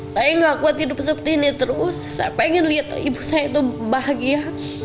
saya nggak kuat hidup seperti ini terus saya pengen lihat ibu saya itu bahagia